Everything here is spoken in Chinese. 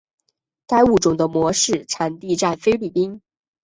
该物种的模式产地在菲律宾。